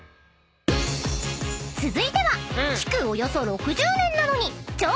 ［続いては］